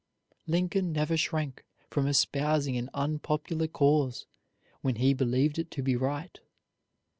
Lincoln never shrank from espousing an unpopular cause when he believed it to be right.